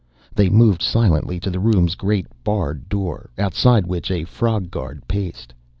They moved silently to the room's great barred door, outside which a frog guard paced.